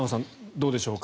どうでしょうか。